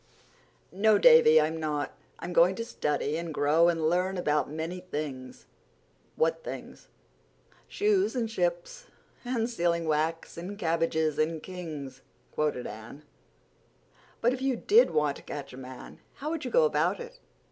"No, Davy, I'm not. I'm going to study and grow and learn about many things." "What things?" "'Shoes and ships and sealing wax And cabbages and kings,'" quoted Anne. "But if you did want to catch a man how would you go about it?